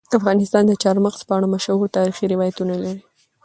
افغانستان د چار مغز په اړه مشهور تاریخي روایتونه لري.